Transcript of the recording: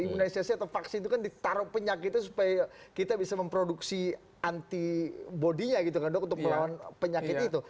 imunisasi atau vaksin itu kan ditaruh penyakitnya supaya kita bisa memproduksi antibody nya gitu kan dok untuk melawan penyakit itu